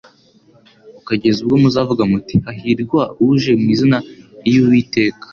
ukageza ubwo muzavuga muti: Hahirwa uje mu izina iy'Uwiteka."